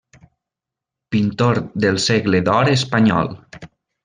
Pintor del Segle d'or espanyol.